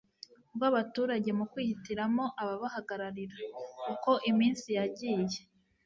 rw'abaturage mu kwihitiramo ababahagararira. uko iminsi yagiye